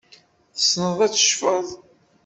Tessneḍ ad tecfeḍ?